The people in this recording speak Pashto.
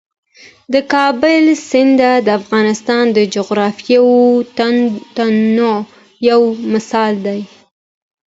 د کابل سیند د افغانستان د جغرافیوي تنوع یو مثال دی.